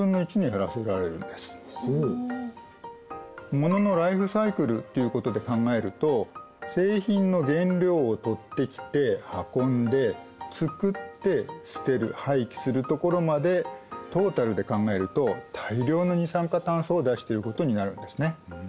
モノのライフサイクルっていうことで考えると製品の原料を取ってきて運んで作って捨てる廃棄するところまでトータルで考えると大量の二酸化炭素を出していることになるんですね。